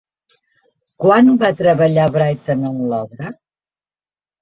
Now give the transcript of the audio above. Quan va treballar Britten en l'obra?